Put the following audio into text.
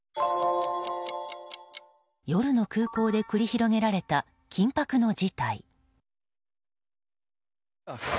夜の空港で繰り広げられた緊迫の事態。